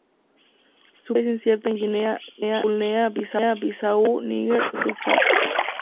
Su presencia es incierta en Guinea, Guinea-Bissau, Níger, Sudán del Sur y Chad.